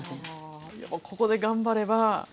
やっぱここで頑張れば。